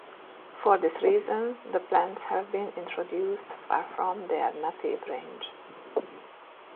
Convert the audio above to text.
For this reason, the plants have been introduced far from their native range.